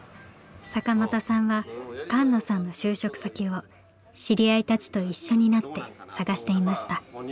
坂本さんは菅野さんの就職先を知り合いたちと一緒になって探していました。